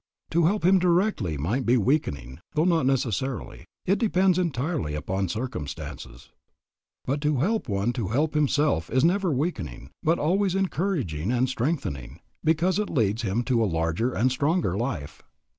To help him directly might be weakening, though not necessarily. It depends entirely upon circumstances. But to help one to help himself is never weakening, but always encouraging and strengthening, because it leads him to a larger and stronger life.